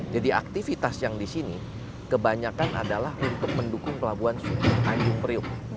jadi aktivitas yang di sini kebanyakan adalah untuk mendukung pelabuhan umum